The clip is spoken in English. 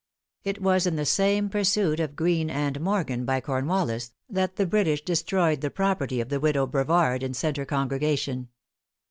It was in the same pursuit of Greene and Morgan by Cornwallis, that the British destroyed the property of the Widow Brevard, in Centre congregation.